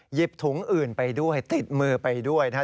หยิบถุงอื่นไปด้วยติดมือไปด้วยนะฮะ